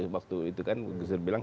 waktu itu kan gus dur bilang